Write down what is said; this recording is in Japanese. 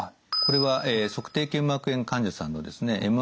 これは足底腱膜炎患者さんのですね